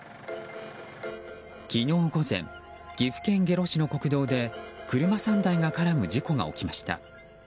昨日午前、岐阜県下呂市の国道で車３台が絡む事故が起きました。